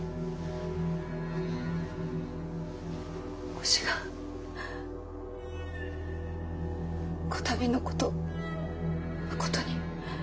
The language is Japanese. お志賀こたびのことまことに。